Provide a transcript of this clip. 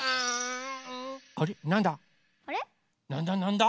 あれっなんだ？